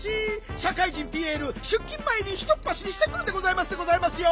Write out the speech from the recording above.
しゃかい人ピエールしゅっきんまえにひとっぱしりしてくるでございますでございますよ。